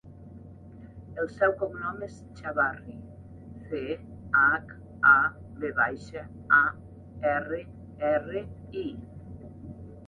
El seu cognom és Chavarri: ce, hac, a, ve baixa, a, erra, erra, i.